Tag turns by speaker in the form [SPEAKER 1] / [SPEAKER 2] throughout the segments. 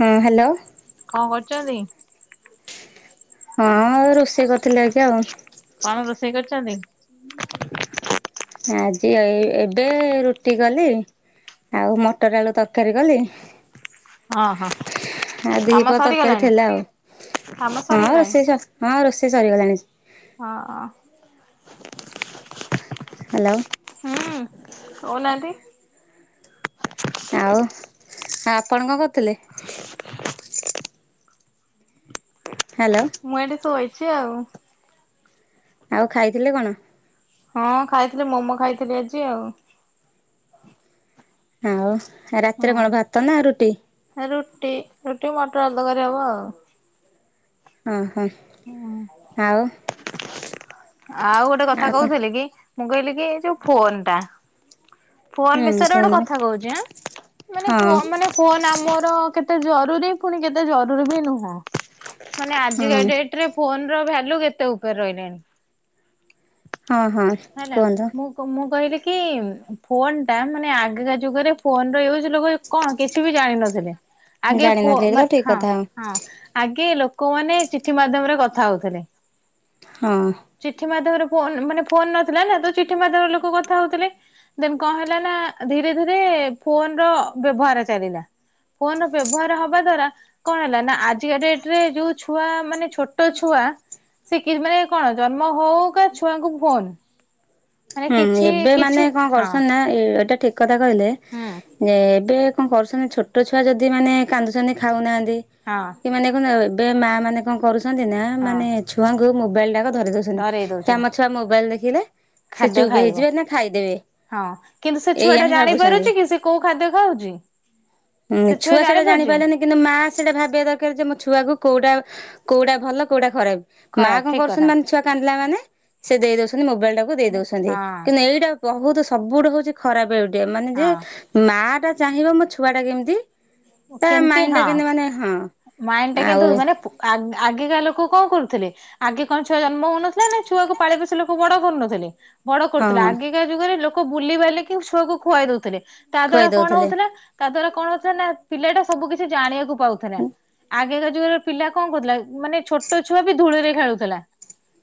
[SPEAKER 1] ହଁ ହ୍ୟାଲୋ।
[SPEAKER 2] କଣ କରୁଛନ୍ତି?
[SPEAKER 1] ହଁ ରୋଷେଇ କରିଥିଲେ ଆଜି ଆଉ।
[SPEAKER 2] କଣ ରୋଷେଇ କରିଛନ୍ତି?
[SPEAKER 1] ଆଜି ଆଉ ଏବେ ରୁଟି କଲି। ଆଉ ମଟର ଆଳୁ ତରକାରୀ କଲି।
[SPEAKER 2] ହଁ ହଁ
[SPEAKER 1] ଆଉ ଦିହିି
[SPEAKER 2] କାମ
[SPEAKER 1] ପହର ତରକାରୀ
[SPEAKER 2] ସରିଗଲାଣି
[SPEAKER 1] ଥିଲା ଆଉ।
[SPEAKER 2] କାମ
[SPEAKER 1] ହଁ
[SPEAKER 2] ସରିଗଲାଣି?
[SPEAKER 1] ରୋଷେଇ ସ ହଁ ରୋଷେଇ ସରିଗଲାଣି।
[SPEAKER 2] ହଁ ଅ।
[SPEAKER 1] ହ୍ୟାଲୋ।
[SPEAKER 2] ହୁଁ କହୁ ନାହାନ୍ତି।
[SPEAKER 1] ଆଉ ଆପଣ କଣ କରୁଥିଲେ? ହ୍ୟାଲୋ।
[SPEAKER 2] ମୁଁ ଏଇଠି ଶୋଇଛି ଆଉ।
[SPEAKER 1] ଆଉ ଖାଇଥିଲେ କଣ?
[SPEAKER 2] ହଁ ଖାଇଥିଲି ମୋମୋ ଖାଇଥିଲି ଆଜି ଆଉ।
[SPEAKER 1] ଆଉ ରାତିରେ
[SPEAKER 2] ହଁ।
[SPEAKER 1] କଣ ଭାତ ନା ରୁଟି?
[SPEAKER 2] ରୁଟି ରୁଟି ମଟରଆଳୁ ତରକାରି ହବ ଆଉ।
[SPEAKER 1] ଓ ହଁ।
[SPEAKER 2] ହୁଁ
[SPEAKER 1] ଆଉ
[SPEAKER 2] ଆଉ ଗୋଟେ କଥା କହୁଥିଲେ କି! ମୁଁ କହିଲି କି ଏ ଯୋଉ ଫୋନ ଟା ଫୋନ
[SPEAKER 1] ହୁଁ
[SPEAKER 2] ବିଷୟରେ ଗୋଟେ
[SPEAKER 1] କୁହନ୍ତୁ
[SPEAKER 2] କଥା କହୁଚ ଆଁ ମାନେ
[SPEAKER 1] ହଁ
[SPEAKER 2] ଫୋ ମାନେ ଫୋନ ଆମର କେତେ ଜରୁରୀ ପୁଣି କେତେ ଜରୁରୀ ବି ନୁହଁ ମାନେ
[SPEAKER 1] ହଁ
[SPEAKER 2] ଆଜିକା ଡେଟ୍ ରେ ଫୋନ ର ଭାଲ୍ୟୁ କେତେ ଉପରେ ରହିଲାଣି।
[SPEAKER 1] ହଁ ହଁ।
[SPEAKER 2] ହେଲା
[SPEAKER 1] କୁହନ୍ତୁ।
[SPEAKER 2] ମୁଁ ମୁଁ କହିଲି କି ଫୋନ୍ ଟା ମାନେ ଆଗିକା ଯୁଗରେ ଫୋନ ର ୟୁଜ ଲୋକ କଣ କିଛି ବି ଜାଣିନଥିଲେ ଆଗେ ପୁ ଅ
[SPEAKER 1] ଜାଣିନଥିଲି ତ
[SPEAKER 2] ମା
[SPEAKER 1] ଠିକ
[SPEAKER 2] ହଁ
[SPEAKER 1] କଥା
[SPEAKER 2] ହଁ ଆଗେ ଲୋକମାନେ ଚିଠି ମାଧ୍ୟମରେ କଥା ହଉଥିଲେ।
[SPEAKER 1] ହଁ।
[SPEAKER 2] ଚିଠି ମାଧ୍ୟମରେ ଫୋନ ମାନେ ଫୋନ ନଥିଲା ନା ତ ଚିଠି ମାଧ୍ୟମରେ ଲୋକ କଥା ହଉଥିଲେ। ଦେନ କଣ ହେଲା ନା ଧୀରେ ଧୀରେ ଫୋନ ର ବ୍ୟବହାର ଚାଲିଲା। ଫୋନ ବ୍ୟବହାର ହବା ଦ୍ଵାରା କଣ ହେଲା ନା ଆଜିକା ଡେଟ ରେ ଯୋଉ ଛୁଆ ମାନେ ଛୋଟ ଛୁଆ ସେ କି ମାନେ କଣ ଜନ୍ମ ହଉ କା ଛୁଆଙ୍କୁ ଫୋନ ମାନେ
[SPEAKER 1] ହୁଁ
[SPEAKER 2] କିଛି
[SPEAKER 1] ଏବେ
[SPEAKER 2] କିଛି
[SPEAKER 1] ମାନେ କଣ
[SPEAKER 2] ହଁ
[SPEAKER 1] କରୁଛନ୍ତି ନା ଏଇଟା ଠିକ କଥା କହିଲେ
[SPEAKER 2] ହୁଁ।
[SPEAKER 1] ଯେ ଏବେ କଣ କରୁଛନ୍ତି ଛୋଟ ଛୁଆ ଯଦି ମାନେ କାନ୍ଦୁଛନ୍ତି ଖାଉନାହାନ୍ତି
[SPEAKER 2] ହଁ।
[SPEAKER 1] କି ମାନେ କ ଏବେ ମା ମାନେ କଣ କରୁଚନ୍ତି ନା,
[SPEAKER 2] ହଁ
[SPEAKER 1] ମାନେ ଛୁଆଙ୍କୁ ମୋବାଇଲଟା କୁ ଧରେଇ ଦଉଚନ୍ତି। ଚନ୍ତି ତ, ଆମ ଛୁଆ ମୋବାଇଲ ଦେଖିଲେ ସେ
[SPEAKER 2] ଖାଦ୍ୟ
[SPEAKER 1] ଚୁପ୍
[SPEAKER 2] ଖାଇବ।
[SPEAKER 1] ହେଇଯିବେ ନା ଖାଇଦେବେ।
[SPEAKER 2] ହଁ କିନ୍ତୁ ସେ ଛୁଆ
[SPEAKER 1] ଏଇଆ
[SPEAKER 2] ଟା
[SPEAKER 1] ହିଁ
[SPEAKER 2] ଜାଣି
[SPEAKER 1] ଭାବୁଛନ୍ତି।
[SPEAKER 2] ପାରୁଚି କି ସେ କୋଉ ଖାଦ୍ୟ ଖାଉଛି।
[SPEAKER 1] ଉୁଁ
[SPEAKER 2] ସେ
[SPEAKER 1] ଛୁଆ ସେଟା ଜାଣି
[SPEAKER 2] ଜାଣିପାରୁଛି?
[SPEAKER 1] ପାଇଲା ନି। କିନ୍ତୁ ମା ସେଇଟା ଭାବିବା ଦରକାର ଯେ, ମୋ ଛୁଆକୁ କୋଉଟା କୋଉଟା ଭଲ କୋଉଟା ଖରାପ। ମା
[SPEAKER 2] ଖରାପ
[SPEAKER 1] କଣ
[SPEAKER 2] ଠିକ
[SPEAKER 1] କରୁଚନ୍ତି,
[SPEAKER 2] କଥା
[SPEAKER 1] ମାନେ ଛୁଆ କାନ୍ଦିଲା ମାନେ ସେ ଦେଇ ଦଉଚନ୍ତି ମୋବାଇଲ ଟାକୁ ଦେଇ
[SPEAKER 2] ହଁ
[SPEAKER 1] ଦଉଚନ୍ତି କିନ୍ତୁ ଏଇଟା ବହୁତ ସବୁଠୁ ହଉଛି ଖରାପ ଗୋଟେ ମାନେ ଯେ
[SPEAKER 2] ହଁ
[SPEAKER 1] ମା ଟା ଚାହିଁବ, ମୋ ଛୁଆ ଟା କେମିତି ତା
[SPEAKER 2] କେମିତି
[SPEAKER 1] ମାଇଣ୍ଡ
[SPEAKER 2] ହଁ
[SPEAKER 1] ଟା କେମତି ମାନେ ହଁ।
[SPEAKER 2] ମାଇଣ୍ଡ ଟା କିନ୍ତୁ
[SPEAKER 1] ଆଉ
[SPEAKER 2] ମାନେ ପ ଆ ଆଗିକା ଲୋକ କଁ କରୁଥିଲେ। ଆଗେ କଣ ଛୁଆ ଜନ୍ମ ହଉନଥିଲା ନା ଛୁଆକୁ ପାଳି ପୋଶି ଲୋକ ବଡ କରୁନଥିଲେ। ବଡ
[SPEAKER 1] ହଁ
[SPEAKER 2] କରୁଥିଲେ, ଆଗିକା ଯୁଗରେ ଲୋକ ବୁଲି ବାଲି କି ଛୁଆକୁ ଖୁଆଇ ଦଉଥିଲେ, ତା
[SPEAKER 1] ଖୁଆଇ
[SPEAKER 2] ଦ୍ଵାରା କଣ
[SPEAKER 1] ଦଉଥିଲେ
[SPEAKER 2] ହଉଥିଲା ତା ଦ୍ୱାରା କଣ ହଉଥିଲା ନା ପିଲାଟା ସବୁ କିଛି ଜାଣିବାକୁ ପାଉଥିଲା।
[SPEAKER 1] ହୁଁ
[SPEAKER 2] ଆଗେକା ଯୁଗର ପିଲା କଣ କରୁଥିଲା, ମାନେ ଛୋଟ ଛୁଆ ବି ଧୂଳି ରେ ଖେଳୁଥିଲା।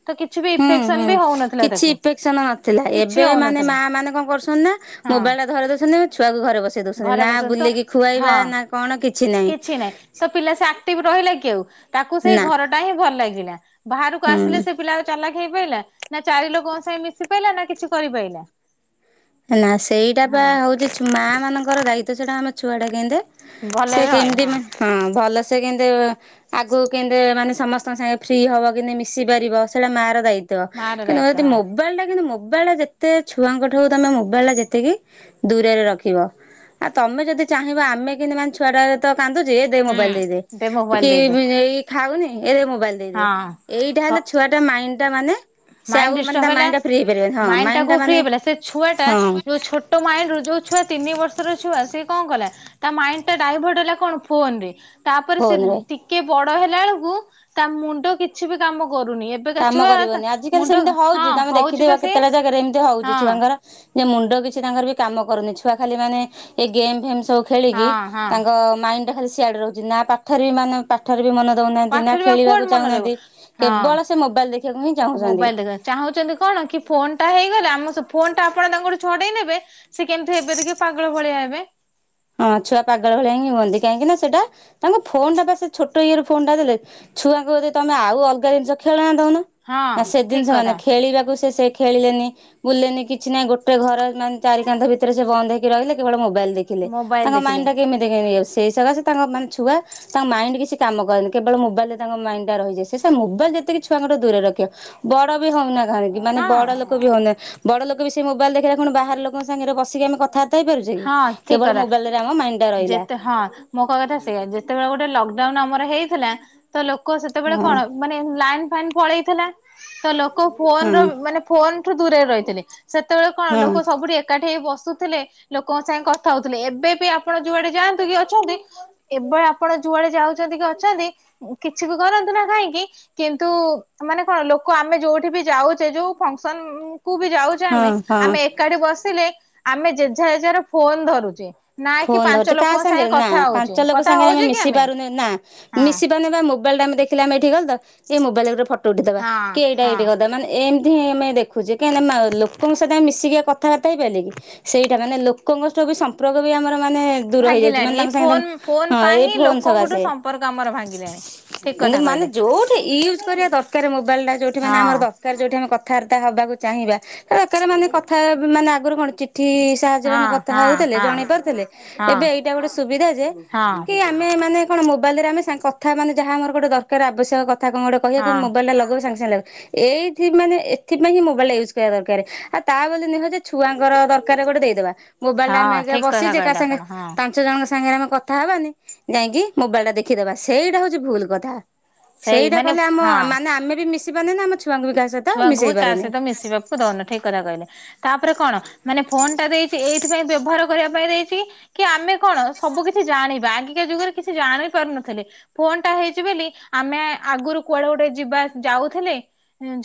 [SPEAKER 2] ତ କିଛି ବି
[SPEAKER 1] ହୁଁ
[SPEAKER 2] ଇନଫେକ୍ସନ
[SPEAKER 1] ହୁଁ
[SPEAKER 2] ବି ହଉନଥିଲା
[SPEAKER 1] କିଛି
[SPEAKER 2] ତାକୁ
[SPEAKER 1] ଇଫେକ୍ସନ ନଥିଲା,
[SPEAKER 2] କିଛି
[SPEAKER 1] ଏବେ ମାନେ
[SPEAKER 2] ହଉନଥିଲା
[SPEAKER 1] ମା ମାନେ କଁ କରୁଛନ୍ତି ନା
[SPEAKER 2] ହଁ
[SPEAKER 1] ମୋବାଇଲ ଟା ଧରେଇ ଦଉଛନ୍ତି, ଛୁଆକୁ ଘରେ ବସେଇ ଦଉଛନ୍ତି,
[SPEAKER 2] ଘରେ
[SPEAKER 1] ନା
[SPEAKER 2] ବସନ୍ତ
[SPEAKER 1] ବୁଲିକି ଖୁଆଇବା
[SPEAKER 2] ହଁ।
[SPEAKER 1] ନା କଣ କିଛି ନାହିଁ।
[SPEAKER 2] ତ ପିଲା ସେ ଆକ୍ଟିଭ ରହିଲା କି ଆଉ, ତାକୁ ସେଇ
[SPEAKER 1] ନା
[SPEAKER 2] ଘରଟା ହିଁ ଭଲ ଲାଗିଲା ବାହାରକୁ
[SPEAKER 1] ହୁଁ
[SPEAKER 2] ଆସିଲେ ସେ ପିଲା ଚାଲାକ ହେଇ ପାଇଲା ନା, ଚାରି ଲୋକଙ୍କ ସାଙ୍ଗେ ମିଶି ପାଇଲା ନା କିଛି କରି ପାଇଲା।
[SPEAKER 1] ନା ସେଇଟା ବା ହଉଛି ଛୁ ମା ମାନଙ୍କର ଦାୟିତ୍ଵ ସେଟା ଆମ ଛୁଆ ଟା କେମତି
[SPEAKER 2] ଭଲ
[SPEAKER 1] ସେ
[SPEAKER 2] ରହିବ ହଁ
[SPEAKER 1] କେମତି ମାନେ ହଁ ଭଲ ସେ କେମତି ଆଗକୁ କେମିତି ମାନେ ସମସ୍ତଙ୍କ ସାଙ୍ଗେ ଫ୍ରି ହବ, କେମତି ମିଶି ପାରିବ ସେଇଟା ମା ର ଦାୟି ତ୍ଵ
[SPEAKER 2] ମାର
[SPEAKER 1] କିନ୍ତୁ
[SPEAKER 2] ଦାୟିତ୍ୱ
[SPEAKER 1] ଯଦି
[SPEAKER 2] ହଁ
[SPEAKER 1] ମୋବାଇଲ ଟା କିନ୍ତୁ ମୋବାଇଲ ଟା ଯେତେ ଛୁଆଙ୍କ ଠୁ ତମେ ମୋବାଇଲ ଟା ଯେତିକି ଦୂରରେ ରଖିବ। ଆଉ ତମେ ଯଦି ଚାହିଁବ, ଆମେ କେନ୍ତି ମାନେ ଛୁଆଟା ତ କାନ୍ଦୁଚି ଏ ଦେ
[SPEAKER 2] ହୁଁ
[SPEAKER 1] ମୋବାଇଲ ଦେଇଦେ।
[SPEAKER 2] ଦେ ମୋବାଇଲ
[SPEAKER 1] କି
[SPEAKER 2] ଦେଇଦେ
[SPEAKER 1] ଏଇ ଖାଉନି ଏ ମୋବାଇଲ ଦେଇଦେ,
[SPEAKER 2] ହଁ
[SPEAKER 1] ଏଇଟା
[SPEAKER 2] ସ
[SPEAKER 1] ହେଲେ ଛୁଆ ମାଇଣ୍ଡ ଟା ମାନେ ସେ
[SPEAKER 2] ମାଇଣ୍ଡ
[SPEAKER 1] ଆଉ ମାନେ
[SPEAKER 2] ଡିଷ୍ଟର୍ବ
[SPEAKER 1] ତା
[SPEAKER 2] ହେଲା
[SPEAKER 1] ମାଇଣ୍ଡ ଟା ଫ୍ରି ହେଇପାରିବନି ହଁ ମାଇଣ୍ଡ
[SPEAKER 2] ଟାକୁ
[SPEAKER 1] ଟା
[SPEAKER 2] ଫ୍ରି
[SPEAKER 1] ମାନେ
[SPEAKER 2] ହେଇପାରିଲା ସେ ଛୁଆ ଟା
[SPEAKER 1] ହଁ
[SPEAKER 2] ଯୋଉ ଛୋଟ ମାଇଣ୍ଡ ରୁ, ଯୋଉ ଛୁଆ ତିନି ବର୍ଷର ଛୁଆ ସେ କଣ କଲା। ତା ମାଇଣ୍ଡ ଟା ଡାଇଭର୍ଟ ହେଲା କଣ ଫୋନରେ। ତାପରେ ସେ
[SPEAKER 1] ଫୋନ ରେ
[SPEAKER 2] ଟିକେ ବଡ ହେଲାଏଳକୁ, ତା ମୁଣ୍ଡ କିଛି ବି କାମ କରୁନି, ଏ ତୁ ଏକା ଛୁଆ
[SPEAKER 1] ଲି
[SPEAKER 2] ମୁଣ୍ଡ
[SPEAKER 1] ସେମିତି
[SPEAKER 2] ହଁ
[SPEAKER 1] ହଉଛି ତମେ
[SPEAKER 2] ହଉଛି ବା
[SPEAKER 1] ଦେଖିଥିବ
[SPEAKER 2] ସେ
[SPEAKER 1] କେତେଟା ଜାଗାରେ ଏମି ହଉଛି
[SPEAKER 2] ହଁ
[SPEAKER 1] ଛୁଆଙ୍କର। ଯେ ମୁଣ୍ଡ କିଛି ତାଙ୍କର ବି କାମ କରୁନି, ଛୁଆ ଖାଲି ମାନେ ଏ ଗେମ୍ ଫେମ ସବୁ ଖେଳିକି,
[SPEAKER 2] ହଁ ହଁ
[SPEAKER 1] ତାଙ୍କ ମାଇଣ୍ଡଟା ଖାଲି ସିଆଡ଼େ ରହୁଛି ନା ପାଠରେ ମାନେ ପା ପାଠରେ ବି ମନ ଦଉନାହାନ୍ତି, ନା
[SPEAKER 2] ପାଠରେ ଆଉ କୁଆଡେ
[SPEAKER 1] ଖେଳିବାକୁ
[SPEAKER 2] ମନେ ରହିବ
[SPEAKER 1] ଚାହୁଁନାହାନ୍ତି
[SPEAKER 2] ହଁ
[SPEAKER 1] କେବଳ ସେ ମୋବାଇଲ ଦେଖିବାକୁ ହିଁ ଚାହୁଁଚନ୍ତି।
[SPEAKER 2] ଚାହୁଁଚନ୍ତି କଣ କି ଫୋନ ଟା ହେଇଗଲା, ଆମ ସ ଫୋନ ଟା ଆପଣ ତାଙ୍କଠୁ ଛଡେଇ ନେବେ ସେ କେମିତି ହେବେ ଦେଖିବବପାଗଳ ଭଳିଆ ହେବେ।
[SPEAKER 1] ହଁ ଛୁଆ ପାଗଳ ଭଳିଆ ହିଁ ହୁଅନ୍ତି, କାହିଁକିନା ସେଟା ତାଙ୍କ ଫୋନ ଟା ବା ସେ ଛୋଟ ଇଏ ର ଫୋନ୍ ଟା ଦେଲେ। ଛୁଆଙ୍କୁ ଯଦି ତମେ ଆଉ ଅଲଗା ଜିନିଷ ଖେଳନା ଦଉନ,
[SPEAKER 2] ହଁ
[SPEAKER 1] ନା ସେ
[SPEAKER 2] ଠିକ
[SPEAKER 1] ଜିନିଷ
[SPEAKER 2] କଥା
[SPEAKER 1] ମାନେ ଖେଳିବାକୁ ସେ ସେ ଖେଳିଲେନି ବୁଲଲେନି କିଛି ନାଇଁ, ଗୋଟେ ଘର ମାନେ ଚାରି କାନ୍ଥ ଭିତରେ ସେ ବନ୍ଦ ହେଇକି ରହିଲେ, କେବଳ ମୋବାଇଲ ଦେଖି ଥିଲେ, ତାଙ୍କ
[SPEAKER 2] ମୋବାଇଲ ଦେଖିଲେ
[SPEAKER 1] ମାଇଣ୍ଡଟା କେମିତି ହେଇଯାଉଚି ସେଇ ସକାଶେ ତାଙ୍କ ମାନେ ଛୁଆ ତାଙ୍କ ମାଇଣ୍ଡ କିଛି କାମ କରେନି କେବଳ ମୋବାଇଲ ରେ ତାଙ୍କ ମାଇଣ୍ଡ ଟା ରହିଯାଏ। ସେ ସେ ମୋବାଇଲ ଯେତିକି ଛୁଆଙ୍କଠୁ ଦୂରରେ ରଖିବ। ବଡ ବି ହଉନା କାହିଁକି, ମାନେ
[SPEAKER 2] ହଁ
[SPEAKER 1] ବଡ ଲୋକ ବି ହଉନେ ବଡ ଲୋକ ବି ସେ ମୋବାଇଲ ଦେଖିଲା କଣ ଆଉ ବାହାର ଲୋକଙ୍କ ସାଙ୍ଗରେ ବସିକି ଆମେ କଥା ବାର୍ତ୍ତା ହେଇ ପାରୁଛେ କି
[SPEAKER 2] ହଁ ଠିକ
[SPEAKER 1] କେବଳ
[SPEAKER 2] କଥା
[SPEAKER 1] ମୋ ରେ ଆମ ମାଇଣ୍ଡ ଟା ରହିଲା।
[SPEAKER 2] ଯେତେ ହଁ ମୋ କହିବା କଥା ସେଇଆ, ଯେତେବେଳେ ଗୋଟେ ଲକଡାଉନ ଆମର ହେଇଥିଲା ତ ଲୋକ
[SPEAKER 1] ହଁ
[SPEAKER 2] ସେତେବେଳେ
[SPEAKER 1] ହଁ
[SPEAKER 2] କଣ ମାନେ ଲାଇନ୍ ଫାଇନ୍ ପଳେଇଥିଲା ତ ଲୋକ ଫୋନ ର ମାନେ ଫୋନଠୁ ଦୂରରେ ରହିଥିଲେ। ସେତେବେଳେ କଣ
[SPEAKER 1] ହଁ
[SPEAKER 2] ଲୋ କୋଉଠି ଏକାଠି ହେଇ ବସୁଥିଲେ ଲୋକଙ୍କ ସାଙ୍ଗେ କଥା ହଉଥିଲେ, ଏବେ ବି ଆପଣ ଯୋଉଆଡେ ଯାଆନ୍ତୁ କି ଅଛନ୍ତି। ଏବେଳ ଆପଣ ଯୁଆଡେ ଯାଉଛନ୍ତି କି ଅଛନ୍ତି କିଛି ବି କରନ୍ତୁ ନା କାହିଁକି କିନ୍ତୁ ମାନେ କଣ ଲୋକ ଆମେ ଯୋଉଠି ବି ଯାଉଛେ, ଯୋଉ ଫଙ୍କସନ କୁ ବି ଯାଉ
[SPEAKER 1] ହଁ ହଁ
[SPEAKER 2] ଆମେ
[SPEAKER 1] ହଁ।
[SPEAKER 2] ଏକାଠି ବସିଲେ ଆମେ ଜେଝାଯେଜର ଫୋନ ଧରୁଛେ।
[SPEAKER 1] ଫୋନ ଧରିଛେ କାହା ସାଙ୍ଗରେ ନା ପାଞ୍ଚ ଲୋକ
[SPEAKER 2] କଥା
[SPEAKER 1] ସାଙ୍ଗରେ ଆମେ
[SPEAKER 2] ହଉଚେ କି
[SPEAKER 1] ମିଶି ପାରୁନେ, ନା
[SPEAKER 2] ହଁ
[SPEAKER 1] ମିଶି ପାରୁନେ ବା ମୋ ମୋବାଇଲ୍ ଟା ଆମେ ଦେଖିଲେ ଆମେ ଏଠିକି ଗଲୁ ତ ଏଇ ମୋବାଇଲ୍ ରେ ଗୋଟେ ଫଟୋ ଉଠେଇଦବ
[SPEAKER 2] ହଁ
[SPEAKER 1] କି ଏଇଟା
[SPEAKER 2] ହଁ।
[SPEAKER 1] ଏଇଠି କରିଦବା ମାନେ ଏମତି ଆମେ ଦେଖୁ ଛି କାଇଁନା ଲୋକଙ୍କ ସହିତ ଆମେ ମିଶିକି ବା କଥାବାର୍ତା ହେଇପାଇଲେ କି ସେଇଟା ମାନେ ଲୋକଙ୍କ ସହବୀ ସମ୍ପ୍ର [inaudible] ଆମର ମାନେ ଦୂର ହେଇଯାଉଛି
[SPEAKER 2] ଭାଙ୍ଗିଲାଣି
[SPEAKER 1] ମାନେ
[SPEAKER 2] ଏଇ
[SPEAKER 1] ତାଙ୍କ ସାଙ୍ଗେ ତମେ
[SPEAKER 2] ଫୋନ ଫୋନ
[SPEAKER 1] ହଁ
[SPEAKER 2] ପାଇଁ
[SPEAKER 1] ଏଇ
[SPEAKER 2] ହିଁ
[SPEAKER 1] ଫୋନ
[SPEAKER 2] ଲୋକଙ୍କଠୁ
[SPEAKER 1] ସକାସେ।
[SPEAKER 2] ସମ୍ପର୍କ ଆମର ଭାଙ୍ଗିଲାଣି। ଠିକ
[SPEAKER 1] କିନ୍ତୁ
[SPEAKER 2] କଥା
[SPEAKER 1] ମାନେ
[SPEAKER 2] କହିଲେ
[SPEAKER 1] ଯୋଉଠି ୟୁଜ୍ କରିବା ଦରକାର ମୋବାଇଲ ଟା ଯୋଉଠି ମାନେ
[SPEAKER 2] ହଁ
[SPEAKER 1] ଆମର ଦର କାର ଆମେ ଯୋଉଠି ଆମେ କଥାବାର୍ତ୍ତା ହବାକୁ ଚାହିଁବା ଏବେକାର ମାନେ କଥା ମାନେ ଆଗରୁ କଣ ଚିଠି ସାହାଯ୍ୟରେ
[SPEAKER 2] ହଁ
[SPEAKER 1] ଆମେ କଥା
[SPEAKER 2] ହଁ
[SPEAKER 1] ହଉଥିଲେ
[SPEAKER 2] ହଁ।
[SPEAKER 1] ଜଣେଇ ପାରୁଥିଲେ
[SPEAKER 2] ହଁ
[SPEAKER 1] ଏବେ ଏଇଟା ଗୋଟେ ସୁବିଧା ଯେ
[SPEAKER 2] ହଁ
[SPEAKER 1] କି ଆମେ ମାନେ କଣ ମୋବାଇଲରେ ଆମେ ସା କଥା ମାନେ ଯାହା ଆମର ଗୋଟେ ଦରକାର ଆବଶ୍ୟକ କଥା କଣ ଗୋଟେ କହିବାକୁ
[SPEAKER 2] ହଁ
[SPEAKER 1] ମୋବଲଟା ଲଗେଇବୁ ସାଙ୍ଗେ ସାଙ୍ଗେ ଲାଗି ଏଇଥି ମାନେ ଏଥିପାଇଁ ହଁ ମୋବାଇଲ୍ ଟା ୟୁଜ୍ କରିବା ଦରକାର। ଆଉ ତା ବୋଲି ନୁହେଁ ଯେ ଛୁଆଙ୍କର ଦରକାର ଗୋଟେ ଦେଇଦବା ମୋବାଇଲ ଟା
[SPEAKER 2] ହଁ
[SPEAKER 1] ଆମେ ଏକା
[SPEAKER 2] ଠିକ କଥା
[SPEAKER 1] ବସିଛେ
[SPEAKER 2] କହିଲେ
[SPEAKER 1] କାହା ସାଙ୍ଗେ
[SPEAKER 2] ଆପଣ ହଁ।
[SPEAKER 1] ତାଙ୍କେ ଜଣଙ୍କ ସାଙ୍ଗରେ ଆମେ କଥା ହବାନି ଯାଇକି ମୋବାଇଲ ଟା ଦେଖିଦବା ସେଇଟା ହଉଛି ଭୁଲ କଥା।
[SPEAKER 2] ସେଇ
[SPEAKER 1] ସେଇଟା
[SPEAKER 2] ମାନେ
[SPEAKER 1] କଲେ ଆମ
[SPEAKER 2] ହଁ।
[SPEAKER 1] ମାନେ ଆମେ ବି ମିଶି ପାରେନି ଆମ ଛୁଆଙ୍କୁ ବି କାହା ସ
[SPEAKER 2] ଛୁଆଙ୍କୁ ବି କାହା ସହିତ ମିଶିବାକୁ ଦଉନେ ଠିକ୍ କଥା କହିଲେ। ତାପରେ କଣ ମାନେ ଫୋନ୍ ଟା ଦେଇଛି ଏଇଥିପାଇଁ ବ୍ୟବହାର କରିବା ପାଇଁ ଦେଇଛି କି କି ଆମେ କଣ ସବୁ କିଛି ଜାଣିବା ଆଗିକା ଯୁଗରେ କିଛି ଜାଣି ପାରୁନଥିଲେ। ଫୋନ୍ ଟା ହେଇଛି ବୋଲି ଆମେ ଆଗରୁ କୁଆଡେ ଗୋଟେ ଯିବା ଯାଉଥିଲେ।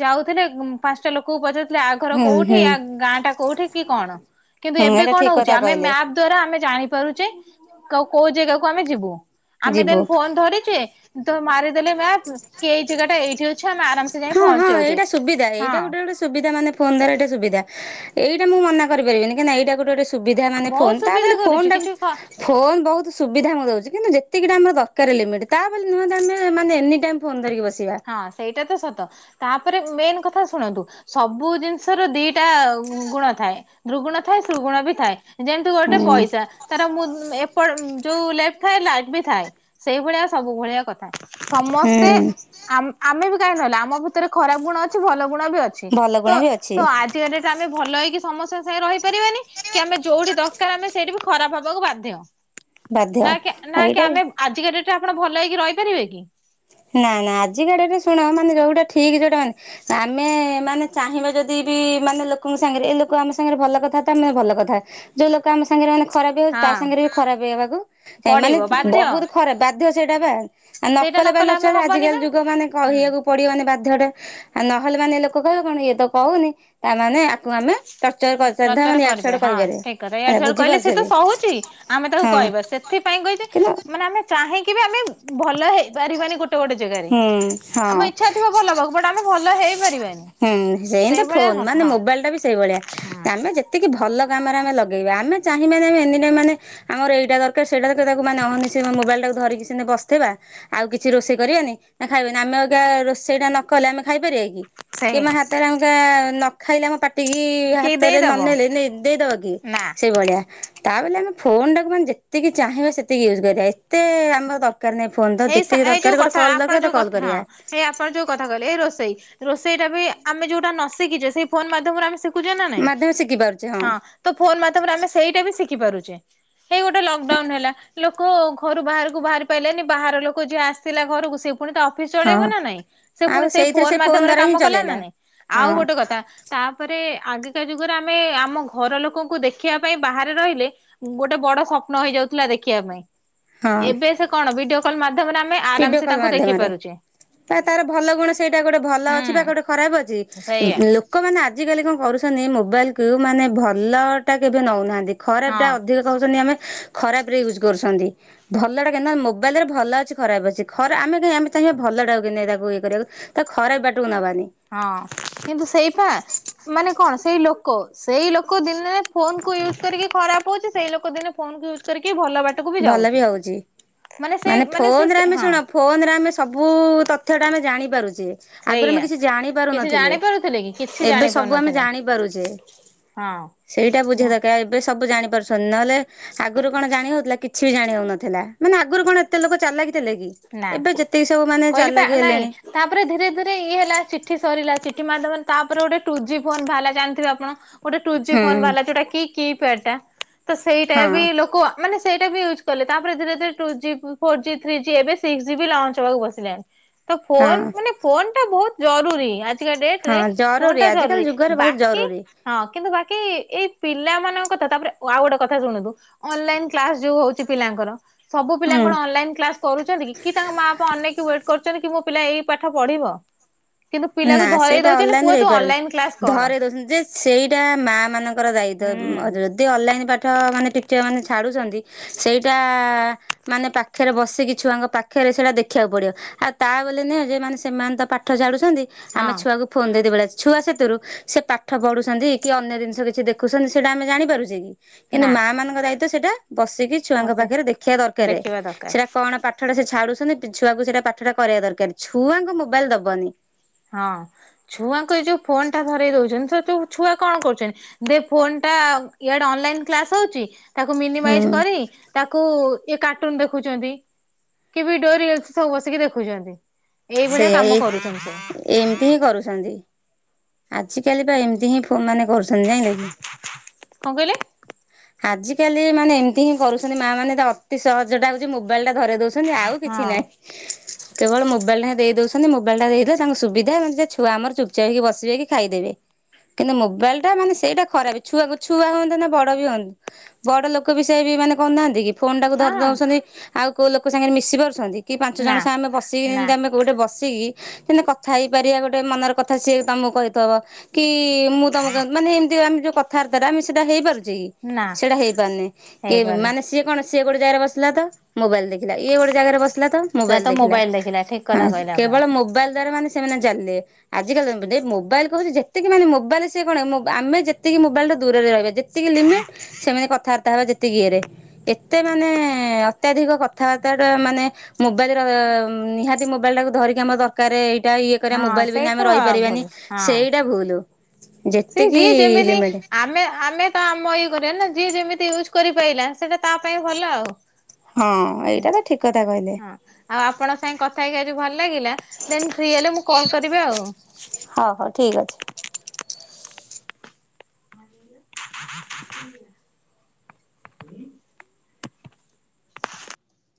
[SPEAKER 2] ଯାଉଥିଲେ ପାଞ୍ଚଟା ଲୋକକୁ ପଚାରୁଥିଲେ ଆ ଘର
[SPEAKER 1] ହୁଁ
[SPEAKER 2] କୋଉଠି
[SPEAKER 1] ହୁଁ
[SPEAKER 2] ଆ ଗାଁ ଟା କୋଉଠି କି କଣ। କିନ୍ତୁ
[SPEAKER 1] ହୁଁ
[SPEAKER 2] ଏବେ
[SPEAKER 1] ଏଇଟା
[SPEAKER 2] କଣ
[SPEAKER 1] ଠିକ
[SPEAKER 2] ହଉଛି
[SPEAKER 1] କଥା
[SPEAKER 2] ଆମେ
[SPEAKER 1] କହିଲେ
[SPEAKER 2] ମ୍ୟାପ୍ ଦ୍ଵାରା ଆମେ ଜାଣିପାରୁଚେ କୋଉ ଜାଗାକୁ ଆମେ ଯିବୁ ଆମେ
[SPEAKER 1] ଯିବୁ।
[SPEAKER 2] ଦେନ୍ ଫୋନ୍ ଧରିଚେ ତ ମାରିଦେଲେ ମ୍ୟାପ୍ କି ଏଇ ଜାଗା ଟା ଏଇଠି ଅଛି ଆମେ ଆରାମସେ ଯା
[SPEAKER 1] ହଁ ହଁ ଏଇଟା ସୁବିଧା ଏଇଟା ଗୋଟେ ଗୋଟେ ସୁବିଧା ମାନେ ଫୋନ୍
[SPEAKER 2] ସେ
[SPEAKER 1] ଧରିବା ଟା ସୁବିଧା ଏଇଟା ମୁଁ ମନା କରିପାରିବିନି କାହିଁକି ଏଇଟା ଗୋଟେ ଗୋଟେ ସୁବିଧା ମାନେ
[SPEAKER 2] ବହୁତ
[SPEAKER 1] ଫୋନ ତା
[SPEAKER 2] ସୁବିଧା
[SPEAKER 1] ବୋଲି
[SPEAKER 2] କରୁଛି
[SPEAKER 1] ଫୋନ ଟାକୁ
[SPEAKER 2] କିଛି କ
[SPEAKER 1] ଫୋନ୍ ବହୁତ ସୁବିଧା ମୁଁ ଦଉଛି କିନ୍ତୁ ଯେତିକିଟା ଆମର ଦରକାର ଲିମିଟ୍ ତା ବୋଲି ନୁହେଁ ଆମେ ମାନେ ଏନି ଟାଇମ୍ ଫୁନ୍ ଧରିକି ବସିବା।
[SPEAKER 2] ହଁ ସେଇଟା ତ ସତ ତାପରେ ମେନ୍ କଥା ଶୁଣନ୍ତୁ। ସବୁ ଜିନିଷ ର ଦିଟା ଗୁଣ ଥାଏ ଦୁଗୁଣ ଥାଏ ସୁଗୁଣ ବି ଥାଏ। ଯେମତି ଗୋଟେ
[SPEAKER 1] ହୁଁ
[SPEAKER 2] ପଇସା। ତାର ମୁଁ ଏପଟ ଯୋଉ ଲେଟ ଥାଏ ଲାଇଟ୍ ବି ଥାଏ ସେଇଭଳିଆ ସବୁ ଭଳିଆ କଥା। ସମସ୍ତେ
[SPEAKER 1] ହୁଁ
[SPEAKER 2] ଆମେ ବି କାହିଁକି ନହେଲେ ଆମ ଭିତରେ ଖରାପ ଗୁଣ ଅଛି ଭଲ ଗୁଣ ବି ଅଛି।
[SPEAKER 1] ଭଲ
[SPEAKER 2] ତ
[SPEAKER 1] ଗୁଣ ବି ଅଛି
[SPEAKER 2] ତ ଆ [inaudible] ଆମେ ଭଲ ହେଇକି ସମସ୍ତେଙ୍କ ସାଙ୍ଗେ ରହିପାରିବାନି କି ଆମେ ଯୋଉଠି ଦରକାର ଆମେ ସେଇଠି ବି ଖରାପ ହବାକୁ ବାଧ୍ୟ
[SPEAKER 1] ବାଧ୍ୟ
[SPEAKER 2] ନା ନା କି
[SPEAKER 1] ଏଇଟା ବି
[SPEAKER 2] ଆମେ ଆଜିକା ଡେଟ୍ ରେ ଆପଣ ଭଲ ହେଇକି ରହିପାରିବେ କି?
[SPEAKER 1] ନା ନା ଆଜିକା ଡେଟ୍ ରେ ଶୁଣ ମାନେ ଯୋଉଟା ଠିକ୍ ସେଟା ମାନେ ଆମେ ମାନେ ଚାହିଁବା ଯଦି ବି ମାନେ ଲୋକଙ୍କ ସାଙ୍ଗରେ ଏ ଲୋକ ଆମ ସାଙ୍ଗରେ ଭଲ କଥା ତ ଆମେ ଭଲ କଥା। ଯୋଉ ଲୋକ ଆମ ସାଙ୍ଗରେ ମାନେ ଖରାପ ହେଇ ହଉଛି ତା
[SPEAKER 2] ହଁ
[SPEAKER 1] ସାଙ୍ଗରେ ବି ଖରାପ ହେଇବାକୁ ମାନେ
[SPEAKER 2] ପଡିବ ବାଧ୍ୟ
[SPEAKER 1] ବହୁତ ରେ ବାଧ୍ୟ ସେଇଟା ବା ଆ
[SPEAKER 2] ସେଇଟା ନ
[SPEAKER 1] ନକଲେ ବା
[SPEAKER 2] କଲେ ଆମେ
[SPEAKER 1] ନଚଳେ
[SPEAKER 2] ହବନି
[SPEAKER 1] ଆଜିକାଲି
[SPEAKER 2] ବା।
[SPEAKER 1] ଯୁଗ ମାନେ
[SPEAKER 2] ହୁଁ
[SPEAKER 1] କହିବାକୁ ପଡିବ ମାନେ ବାଧ୍ୟଟେ ଆ ନହେଲେ ମାନେ ଲୋକ କହିବେ କଣ ଇଏ ତ କହୁନି ତାମାନେ ଆକୁ ଆମେ ଟର୍ଚର କରିଚାଲିଥିବା
[SPEAKER 2] ଟଚର
[SPEAKER 1] ମାନେ ଇଆଡୁ
[SPEAKER 2] କରିବେ
[SPEAKER 1] ସିଆଡୁ
[SPEAKER 2] ହଁ
[SPEAKER 1] କହିପାରିବା
[SPEAKER 2] ଠିକ୍ କଥା ଇଆଡେ
[SPEAKER 1] ହେଲା
[SPEAKER 2] ସିଆଡୁ କହିଲେ
[SPEAKER 1] ବୁଝିପାରୁଛ
[SPEAKER 2] ସେ ତ
[SPEAKER 1] ବି
[SPEAKER 2] ସହୁଛି ଆମେ ତାକୁ
[SPEAKER 1] ହଁ
[SPEAKER 2] କହିବ ସେ ସେଥିପାଇଁ କହିଛି
[SPEAKER 1] କିନ୍ତୁ
[SPEAKER 2] ମାନେ ଆମେ ଚାହିଁକି ବି ଆମେ ଭଲ ହେଇପାରିବାନି ଗୋଟେ ଗୋଟେ ଜାଗାରେ।
[SPEAKER 1] ହୁଁ
[SPEAKER 2] ଆମ
[SPEAKER 1] ହଁ।
[SPEAKER 2] ଇଚ୍ଛା [inaudible] ଭଲ ହେଇ
[SPEAKER 1] ହୁଁ ସେମତି ଫୋନ୍ ମାନେ ମୋବାଇଲ ଟା ବି ସେଇଭଳିଆ
[SPEAKER 2] ହଁ
[SPEAKER 1] ଆମେ ଯେତିକି ଭ ଭଲ କାମରେ ଆମେ ଲଗେଇବା ଆମେ ଚାହିଁବାନି ଆମେ ଏନି ଟାଇମ୍ ମାନେ ଆମର ଏଇଟା ଦରକାର ସେଇଟା ଦରକାର ତାକୁ ମାନେ ନ ମିଶେଇ ମୋବାଇଲ ଟାକୁ ଧରିକି ସିନ୍ତୀ ବସିଥିବା। ଆଉ କିଛି ରୋଷେଇ କରିବାନି ନା ଖାଇବେନି ଆମେ ଆଜ୍ଞା ରୋଷେଇ ଟା ନ କଲେ ଆମେ ଖାଇପାରିବା କି? କିବା
[SPEAKER 2] ସେଇଆ
[SPEAKER 1] ହାତରେ ଆ ମୁଠା ନ ଖାଇଲେ ଆମ ପା ଟିକି
[SPEAKER 2] କିଏ
[SPEAKER 1] ହାତରେ
[SPEAKER 2] ଦେଇଦବ
[SPEAKER 1] ନନେଲେ ନେଇ ଦେଇଦବ କି
[SPEAKER 2] ନା।
[SPEAKER 1] ସେଇଭଳିଆ। ତା ବୋଲି ଆମେ ଫୋନ ଟାକୁ ମାନେ ଯେତିକି ଚାହିଁବା ସେତିକି ୟୁଜ୍ କରିବା ଏତେ ଆମର ଦରକାର ନାହିଁ। ଫୋନ। ତ
[SPEAKER 2] ହେଇ ସା
[SPEAKER 1] ଯେତିକି
[SPEAKER 2] ଏଇ ଯୋଉ
[SPEAKER 1] ଦରକାର ଗୋଟେ
[SPEAKER 2] କଥା
[SPEAKER 1] କଲ୍
[SPEAKER 2] ଆପଣ
[SPEAKER 1] ଦରକାର ତ
[SPEAKER 2] ଯୋଉ
[SPEAKER 1] କଲ
[SPEAKER 2] କଥା ହଁ
[SPEAKER 1] କରିବା।
[SPEAKER 2] ହେଇ ଆପଣ ଯୋଉ କଥା କହିଲେ ଏଇ ରୋଷେଇ। ରୋଷେଇ ଟା ବି ଆମେ ଯୋଉଟା ନ ଶିଖିଚେ ସେଇ ଫୋନ ମାଧ୍ୟମରେ ଆମେ ଶିଖ ଖୁଚେ ନା ନାଇଁ?
[SPEAKER 1] ମାଧ୍ୟମ ଶିଖି ପାରୁଛେ
[SPEAKER 2] ହଁ। ତ ଫୋନ ମାଧ୍ୟମରେ ଆମେ ସେଇଟା ବି ଶିଖିପାରୁଚେ। ହେଇ ଗୋଟେ ଲକଡାଉନ ହେଲା। ଲୋ କ ଘରୁ ବାହାରକୁ ବାହାରି ପାଇଲେନି। ବାହାର ଲୋକ ଯିଏ ଆସିଲା ଘରକୁ ସେ ପୁଣି ତା ଅଫିସ ଚଳେଇବ
[SPEAKER 1] ହଁ।
[SPEAKER 2] ନା ନାଇଁ? ସେ
[SPEAKER 1] ଆଉ
[SPEAKER 2] ପୁଣି ସେଇ
[SPEAKER 1] ସେଇଥିରେ
[SPEAKER 2] ଫୋନ
[SPEAKER 1] ସେ ଫୋନ୍
[SPEAKER 2] ମାଧ୍ୟମରେ
[SPEAKER 1] ଦ୍ଵାରା ହିଁ
[SPEAKER 2] କାମ କଲା ନା
[SPEAKER 1] ଚଲେଇଲା
[SPEAKER 2] ନାଇଁ?
[SPEAKER 1] ହଁ
[SPEAKER 2] ଆଉ ଗୋଟେ କଥା ତାପରେ ଆଗକା ଯୁଗରେ ଆମେ ଆମ ଘର ଲୋକଙ୍କୁ ଦେଖିବା ପାଇଁ ବାହାରେ ରହିଲେ। ଗୋଟେ ବଡ ସ୍ୱପ୍ନ ହେଇଯାଉଥିଲା ଦେଖିବା ପାଇଁ।
[SPEAKER 1] ହଁ
[SPEAKER 2] ଏବେ ସେ କଣ ଭିଡିଓ କଲ୍ ମାଧ୍ୟମରେ ଆମେ ଆରାମ ସେ ତାଙ୍କୁ ଦେଖି ପାରୁଚେ।
[SPEAKER 1] ଏ ତାର ଭଲ ଗୁଣ ସେଇଟା ଗୋଟେ ଭଲ ଅଛି ବା ଗୋଟେ
[SPEAKER 2] ହୁଁ
[SPEAKER 1] ଖରାପ ଅଛି। ଉଁ
[SPEAKER 2] ସେଇଆ
[SPEAKER 1] ଲୋ କମାନେ ଆଜିକାଲି କଣ କରୁଚନ୍ତି ମୋବାଇଲକୁ ମାନେ ଭଲ ଟା କେବେ ନେଉନାହାନ୍ତି ଖରାପ
[SPEAKER 2] ହଁ
[SPEAKER 1] ଟା ଅଧିକ କହୁଚନ୍ତି ଆମେ ଖରାପ ରେ ୟୁଜ କରୁଚନ୍ତି। ଭଲ ଟା କାହିଁକି ନ ମୋବାଇଲ୍ ରେ ଭଲ ଅଛି ଖରାପ ଅଛି ଖରା ଆମେ ଯେ ଆମେ ଚାହିଁବା ଭଲ ଟାକୁ କିମତି ତାକୁ ୟେ କରିବାକୁ ତାକୁ ଖରାପ ବାଟକୁ ନବାନି।
[SPEAKER 2] ହଁ କିନ୍ତୁ ସେଇପା ମାନେ କଣ? ସେଇ ଲୋକ ସେଇ ଲୋକ ଦିନେ ଫୋନକୁ ୟୁଜ୍ କରିକି ଖରାପ ହଉଚି। ସେଇ ଲୋକ ଦିନେ ଫୋନ କୁ ୟୁ ଜ୍ କରିକି ଭଲ ବାଟକୁ ବି
[SPEAKER 1] ଭଲ
[SPEAKER 2] ଯାଉଚି।
[SPEAKER 1] ହଉଛି
[SPEAKER 2] ମାନେ ସେ ମାନେ ସେ
[SPEAKER 1] ଫୋନରେ
[SPEAKER 2] ସେ
[SPEAKER 1] ଆମେ
[SPEAKER 2] ହଁ।
[SPEAKER 1] ଶୁଣ ଫୋନରେ ଆମେ ସବୁ ତଥ୍ୟ ଟା ଆମେ ଜାଣିପାରୁଚେ। ଆଗରୁ ଆମେ
[SPEAKER 2] ସେଇଆ।
[SPEAKER 1] କିଛି ଜାଣି ପାରୁ
[SPEAKER 2] କିଛି
[SPEAKER 1] ନଥିଲେ।
[SPEAKER 2] ଜାଣି ପାରୁଥିଲେ କି କିଛି
[SPEAKER 1] ଏବେ
[SPEAKER 2] ଜାଣି
[SPEAKER 1] ସବୁ ଆମେ
[SPEAKER 2] ପାରୁନଥିଲେ
[SPEAKER 1] ଜାଣି ପାରୁଛେ।
[SPEAKER 2] ହଁ।
[SPEAKER 1] ସେଇଟା ବୁଝିବା ଦରକାର ଏବେ ସବୁ ଜାଣିପାରୁଚେ। ତ ନହେଲେ ଆଗରୁ କଣ ଜାଣି ହଉଥିଲା? କିଛି ବି ଜାଣି ହଉନଥିଲା। ମାନେ ଆଗରୁ କଣ ଏତେ ଲୋକ ଚାଲାକିଥିଲେ କି?
[SPEAKER 2] ନା।
[SPEAKER 1] ଏବେ ଯେତିକି ସବୁ ମାନେ
[SPEAKER 2] କହିଲି ପା
[SPEAKER 1] ଚାଲାକି
[SPEAKER 2] ନାଇଁ
[SPEAKER 1] ହେଲେଣି।
[SPEAKER 2] ତାପରେ ଧୀରେ ଧୀରେ ଇଏ ହେଲା ଚିଠି ସରିଲା ଚିଠି ମାଧ୍ୟମରେ ତାପରେ ଗୋଟେ ଟୁ ଜି ଫୋନ୍ ବାହାରିଲା ଜାଣିଥିବେ ଆପଣ। ଗୋଟେ ଟୁ ଜି ଫୋନ୍
[SPEAKER 1] ହୁଁ
[SPEAKER 2] ବାହାରିଲା ଯୋଉଟା କି କି ପ୍ୟାଡ ଟା ତ ସେଇଟା ବି
[SPEAKER 1] ହଁ
[SPEAKER 2] ଲୋକ ମାନେ ସେଇଟା ବି ୟୁଜ୍ କଲେ। ତାପରେ ଧୀରେ ଧୀରେ two G four G three G ଏବେ ସିକସ ଜି ଲଞ୍ଚ ହବାକୁ ବସିଲାଣି। ତ ଫୋନ
[SPEAKER 1] ହଁ
[SPEAKER 2] ମାନେ ଫୋନ ଟା ବହୁତ ଜରୁରୀ। ଆଜ ଜିକା ଡେଟରେ
[SPEAKER 1] ହଁ
[SPEAKER 2] ଫୋନ ଟା ଜରୁରୀ
[SPEAKER 1] ଆଜିକାଲି ଯୁଗରେ ବହୁତ
[SPEAKER 2] ବାକି
[SPEAKER 1] ଜରୁରୀ
[SPEAKER 2] ହଁ କିନ୍ତୁ ବାକି ଏଇ ପିଲାମାନଙ୍କ କଥା ତାପରେ ଆଉ ଗୋଟେ କଥା ଶୁଣନ୍ତୁ। ଅନଲାଇନ କ୍ଲାସ ଯୋଉ ହଉଚି ପିଲାଙ୍କର ସବୁ ପିଲା
[SPEAKER 1] ହୁଁ
[SPEAKER 2] କଣ ଅନଲାଇନ୍ କ୍ଲାସ କରୁଚନ୍ତି କି? କି ତାଙ୍କ ମା ବାପା ଅନେଇକି ୱେଟ୍ କରୁଚନ୍ତି କି ମୋ ପିଲା ଏଇ ପାଠ ପଢିବ। କିନ୍ତୁ ପିଲାକୁ
[SPEAKER 1] ନା
[SPEAKER 2] ଧରେଇ
[SPEAKER 1] ସେଟା
[SPEAKER 2] ଦଉଛନ୍ତି
[SPEAKER 1] ଅନଲାଇନ
[SPEAKER 2] ପୁଅ
[SPEAKER 1] ରେ
[SPEAKER 2] ତୁ
[SPEAKER 1] ହେଇପାରୁନି।
[SPEAKER 2] ଅନଲାଇନ କ୍ଲାସ କର
[SPEAKER 1] ଧରେଇ ଦଉଚନ୍ତି ଯେ ସେଇଟା ମା ମାନଙ୍କର
[SPEAKER 2] ହୁଁ
[SPEAKER 1] ଦାୟିତ୍ୱ। ତେ ଅନଲାଇନ୍ ପାଠ ମାନେ ଟିଚର ମାନେ ଛାଡ଼ୁଚନ୍ତି ସେଇଟା ମାନେ ପାଖରେ ବସିକି ଛୁଆଙ୍କ ପାଖରେ ସେଇଟା ଦେଖିବାକୁ ପଡିବ। ଆଉ ତା ବୋଲି ନୁହେଁ ଯେ ମାନେ ସେମାନେ ତ ପାଠ ଛାଡୁଚନ୍ତି ଆମେ
[SPEAKER 2] ହଁ
[SPEAKER 1] ଛୁଆକୁ ଫୋନ ଦେଇଦେଇ ପଳେଇ ଆସିବା ଛୁଆ ସେଥିରୁ ସେ ପାଠ ପଢୁଚନ୍ତି କି ଅନ୍ୟ ଜିନିଷ କିଛି ଦେଖୁଚନ୍ତି ସେଇଟା ଆମେ ଜାଣିପାରୁଚେ କି? କିନ୍ତୁ
[SPEAKER 2] ନା
[SPEAKER 1] ମା ମାନଙ୍କ ଦାୟିତ୍ଵ ସେଇଟା ବସିକି ଛୁଆଙ୍କ
[SPEAKER 2] ପସେ
[SPEAKER 1] ପାଖରେ ଦେଖିବା ଦରକାର
[SPEAKER 2] ଦେଖିବା ଦରକାର
[SPEAKER 1] ସେଟା କଣ ପାଠ ଠଟା ସେ ଛାଡୁଚନ୍ତି। ଛୁଆକୁ ସେଇଟା ପାଠଟା କରିବା ଦରକାର ଛୁଆଙ୍କୁ ମୋବାଇଲ ଦବନି।
[SPEAKER 2] ହଁ ଛୁଆଙ୍କୁ ଏ ଯୋଉ ଫୋନ୍ ଟା ଧରେଇ ଦଉଚନ୍ତି ତ ଯ ଛୁଆ କଣ କରୁଚନ୍ତି? ଦେ ଫୋନ୍ ଟା ଇଆଡେ ଅନଲାଇନ୍ କ୍ଲାସ୍ ହଉଚି ତାକୁ ମିନିମାଇଜ୍
[SPEAKER 1] ହୁଁ।
[SPEAKER 2] କରି ତାକୁ ଇଏ କାର୍ଟୁନ ଦେଖୁଛନ୍ତି। କି ଭିଡିଓ, ରିଲ୍ସ ସବୁ ବସିକି ଦେଖୁଛନ୍ତି। ଏଇଭଳିଆ
[SPEAKER 1] ସେଇଆ
[SPEAKER 2] କାମ
[SPEAKER 1] ଏଇ
[SPEAKER 2] କରୁଛନ୍ତି ସବୁ।
[SPEAKER 1] ଏମିତି ହିଁ କରୁଛନ୍ତି। ଆଜି କାଲି ବା ଏମିତି ହିଁ ଫୋ ମାନେ କରୁଛନ୍ତି ଜାଇଁଲ କି।
[SPEAKER 2] କଣ କହିଲେ
[SPEAKER 1] ଆଜିକାଲି ମାନେ ଏମିତି ହିଁ କରୁଛନ୍ତି, ମା ମାନେ ଅତି ସହଜ ଟା ହଉଚି ମୋବାଇଲ ଟା ଧରେଇ ଦଉଛ ଛନ୍ତି ଆଉ କିଛି
[SPEAKER 2] ହଁ
[SPEAKER 1] ନାଇଁ। କେବଳ ମୋବାଇଲ ଟା ଦେଇ ଦଉଛନ୍ତି ମୋବାଇଲ ଟା ଦେଇଦେଲେ ତାଙ୍କୁ ସୁବିଧା ଛୁଆ ଆମର ଚୁପଚାପ୍ ହେଇକି ବସ କି ଖାଇଦେବେ। କିନ୍ତୁ ମୋବାଇଲ ଟା ମାନେ ସେଇଟା ଖରାପ ଛୁଆ ଛୁଆ ହୁଅନ୍ତୁ ନା ବଡ ବି ହୁଅନ୍ତୁ ବଡ ଲୋକ ବି ସେଇଆ ବି ମାନେ କରୁନାହାନ୍ତି କି। ଫୋନ ଟାକୁ
[SPEAKER 2] ହଁ
[SPEAKER 1] ଧରିଦଉଛନ୍ତି ଆଉ କୋଉ ଲୋକ ସାଙ୍ଗେରେ ମିଶି ପାରୁଛନ୍ତି କି ପାଞ୍ଚ
[SPEAKER 2] ନା
[SPEAKER 1] ଜଣ ସାଙ୍ଗ ଆମେ ବସିକି
[SPEAKER 2] ନା
[SPEAKER 1] ଯେମିତି ଆମେ ଗୋଟେ ବସିକି ଯେମତି କଥା ହେଇପାରିବା ଗୋଟେ ମନର କଥା ସିଏ ତମକୁ କହିଥବ କି ମୁଁ ତମକୁ ମାନେ ଏମିତି ଆମେ ଯୋଉ କଥାବାର୍ତ୍ତା ରା ଆମେ ସେଇଟା ହେଇପାରୁଚେ କି।
[SPEAKER 2] ନା
[SPEAKER 1] ସେଇଟା ହେଇପାରୁନେ। କି
[SPEAKER 2] ହେଇପାରୁନି
[SPEAKER 1] ମାନେ ସିଏ କଣ ସିଏ ଗୋଟେ ଜାଗାରେ ବସିଲା ତ ମୋବାଇଲ ଦେଖିଲା ଇଏ ଗୋଟେ ଜାଗାରେ ବସିଲା ତ
[SPEAKER 2] ସେଟା
[SPEAKER 1] ମୋବାଇଲ
[SPEAKER 2] ତ
[SPEAKER 1] ଦେଖିଲା।
[SPEAKER 2] ଠିକ
[SPEAKER 1] ହଁ
[SPEAKER 2] କଥା କହିଲେ ଆପଣ।
[SPEAKER 1] କେବଳ ମୋବାଇଲ ଦ୍ଵାରା ମାନେ ସେମାନେ ଚାଲିଲେ। ଆଜିକାଲି ମୋବାଇଲ କହଚି ଯେତିକି ମାନେ ମୋବାଇଲ ସେ କଣ ଆମେ ଯେତିକି ମୋବାଇଲ ଠୁ ଦୂରରେ ରହିବା। ଯେତିକି ଲିମିଟ୍ ସେମିତି କଥାବାର୍ତ୍ତା ହେବା ଯେତିକି ଇଏରେ। ଏତେ ମାନେ ଅତ୍ୟଧିକ କଥାବାର୍ତ୍ତା ଟା ମାନେ ମୋବାଇଲ ର ନିହାତି ମୋବାଇଲ ଟାକୁ ଧରିକି ଆମର ଦରକାର ଏଇଟା ଇଏ କରିବା
[SPEAKER 2] ହଁ
[SPEAKER 1] ମୋବାଇଲ ବିନା
[SPEAKER 2] ସେଇଟା
[SPEAKER 1] ଆମେ ରହିପାରିବାନି।
[SPEAKER 2] ଭୁଲ ହଁ
[SPEAKER 1] ସେଇଟା ଭୁଲୁ।
[SPEAKER 2] ସେ ଯିଏ ଯେମିତି ଆମେ ଆମେ ତ ଆମ ଇଏ କରିବା ନା। ଯିଏ ଯେମିତି ୟୁଜ୍ କରିପାଇଲା ସେଇଟା ତା ପାଇଁ ଭଲ ଆଉ।
[SPEAKER 1] ହଁ ଏଇଟା ତ ଠିକ୍ କଥା। କହିଲେ।
[SPEAKER 2] ହଁ। ଆଉ ଆପଣଙ୍କ ସାଙ୍ଗେ କଥା ହେଇକି ଆଜି ଭଲ ଲାଗିଲା। ଦେନ୍ ଫ୍ରି ହେଲେ ମୁଁ କଲ୍ କରିବି ଆଉ।
[SPEAKER 1] ହଉ ହଉ ଠିକ୍ ଅଛି।
[SPEAKER 2] [inaudible]